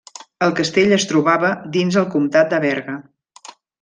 El castell es trobava dins el comtat de Berga.